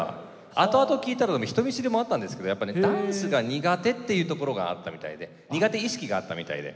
後々聞いたらね人見知りもあったんですけどやっぱねダンスが苦手っていうところがあったみたいで苦手意識があったみたいで。